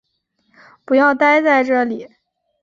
不要待在这里